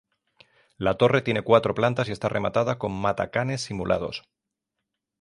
La torre tiene cuatro plantas y está rematada con matacanes simulados.